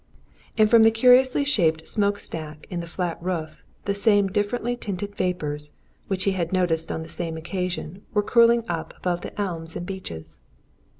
And from the curiously shaped smoke stack in the flat roof, the same differently tinted vapours which he had noticed on the same occasion were curling up above the elms and beeches.